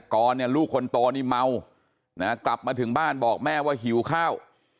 กรเนี่ยลูกคนโตนี่เมานะกลับมาถึงบ้านบอกแม่ว่าหิวข้าว